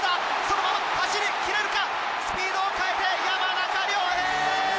そのまま走りきれるかスピードを変えて。